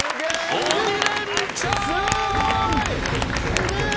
すげえ。